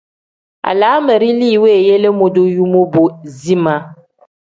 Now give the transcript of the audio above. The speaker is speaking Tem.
Alaraami li weeyele modoyuu mobo zimaa.